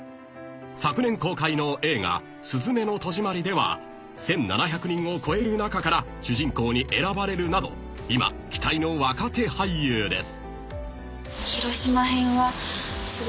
［昨年公開の映画『すずめの戸締まり』では１，７００人を超える中から主人公に選ばれるなど今期待の若手俳優です］